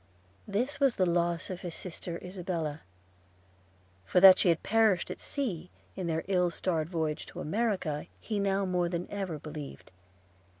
This was the loss of his sister Isabella; for that she had perished at sea; in their ill starred voyage to America, he now more than ever believed.